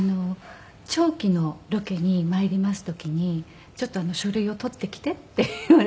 長期のロケに参ります時に「ちょっと書類を取ってきて」って言われて。